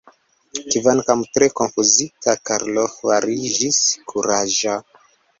Kvankam tre konfuzita, Karlo fariĝis kuraĝa.